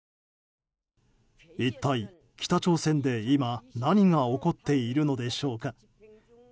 一体、北朝鮮で今何が起こっているのでしょうか。